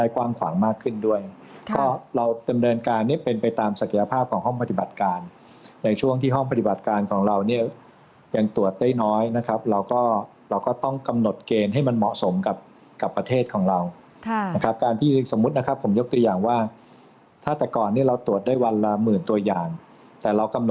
กว้างขวางมากขึ้นด้วยก็เราดำเนินการเนี่ยเป็นไปตามศักยภาพของห้องปฏิบัติการในช่วงที่ห้องปฏิบัติการของเราเนี่ยยังตรวจได้น้อยนะครับเราก็เราก็ต้องกำหนดเกณฑ์ให้มันเหมาะสมกับกับประเทศของเรานะครับการที่สมมุตินะครับผมยกตัวอย่างว่าถ้าแต่ก่อนเนี่ยเราตรวจได้วันละหมื่นตัวอย่างแต่เรากำห